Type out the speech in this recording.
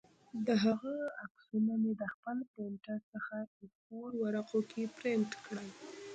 د هغه عکسونه مې د خپل پرنټر څخه اې فور ورقو کې پرنټ کړل